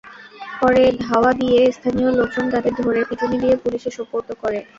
পরে ধাওয়া দিয়ে স্থানীয় লোকজন তাঁদের ধরে পিটুনি দিয়ে পুলিশে সোপর্দ করেন।